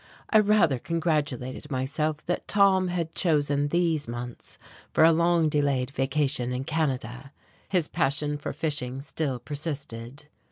I rather congratulated myself that Tom had chosen these months for a long delayed vacation in Canada. His passion for fishing still persisted.